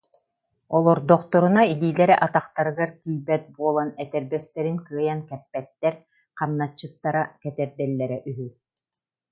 Олордохторуна илиилэрэ атахтарыгар тиийбэт буолан, этэрбэстэрин кыайан кэппэттэр, хамначчыттара кэтэрдэллэрэ үһү